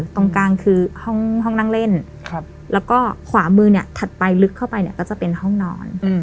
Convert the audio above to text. ตรงกลางคือห้องนั่งเล่นแล้วก็ขวามือเนี่ยถัดไปลึกเข้าไปเนี่ยก็จะเป็นห้องนอน